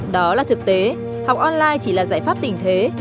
đó là thực tế học online chỉ là giải pháp tình thế